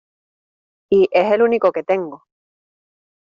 Y es el único que tengo.